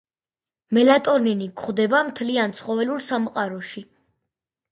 მელატონინი გვხვდება მთლიან ცხოველურ სამყაროში.